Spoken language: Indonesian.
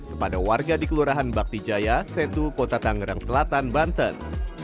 kepada warga di kelurahan bakti jaya setu kota tangerang selatan banten